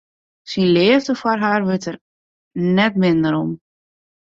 Syn leafde foar har wurdt der net minder om.